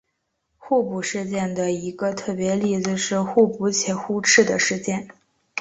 互补事件的一个特别例子是互补且互斥的事件。